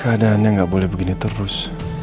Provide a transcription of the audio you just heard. keadaannya nggak boleh begini terus